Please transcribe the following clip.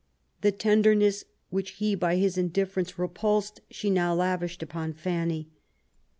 The tenderness which he by his indifference repulsed^ she now lavished upon Fanny.